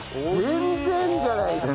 全然じゃないですか！